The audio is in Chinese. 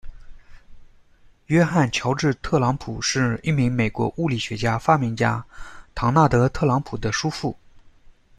约翰·乔治·特朗普是一名美国物理学家、发明家，唐纳德·特朗普的叔父。